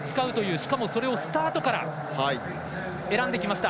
しかもそれをスタートから選んできました。